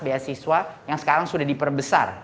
beasiswa yang sekarang sudah diperbesar